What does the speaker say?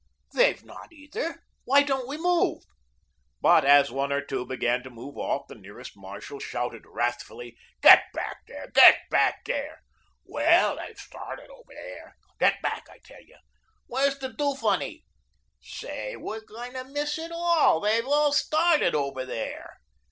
"They've not, either. Why don't we move?" But as one or two began to move off, the nearest marshal shouted wrathfully: "Get back there, get back there." "Well, they've started over there." "Get back, I tell you." "Where's the 'do funny?'" "Say, we're going to miss it all. They've all started over there."